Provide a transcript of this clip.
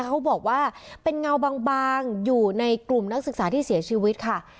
เขาบอกว่าเป็นเงาบางอยู่ในกลุ่มนักศึกษาที่เสียชีวิตค่ะ